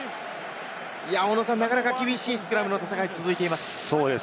なかなか厳しいスクラムの戦いが続いています。